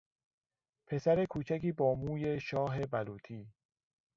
پسر کوچکی با موی شاه بلوطی